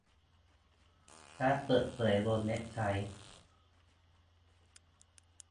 และเปิดเผยบนเว็บไซต์